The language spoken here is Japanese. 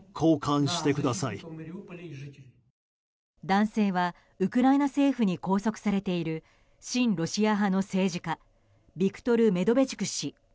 男性はウクライナ政府に拘束されている親ロシア派の政治家ビクトル・メドベチュク氏。